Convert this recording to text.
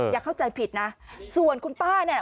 อย่าเข้าใจผิดนะส่วนคุณป้าเนี่ย